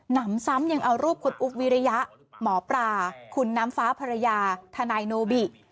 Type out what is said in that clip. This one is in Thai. นำซ้ำยังเอารูปคุณอุ๊บวิริยะหมอปลาคุณน้ำฟ้าภรรยาทนายโนบิ